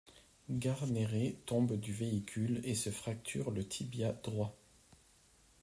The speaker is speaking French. Guarnere tombe du véhicule et se fracture le tibia droit.